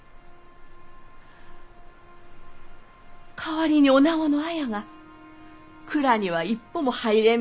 代わりにおなごの綾が蔵には一歩も入れん